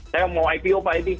saya mau ipo pak id